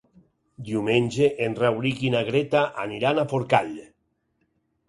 Diumenge en Rauric i na Greta aniran a Forcall.